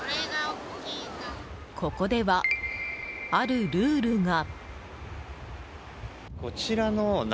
ここでは、あるルールが。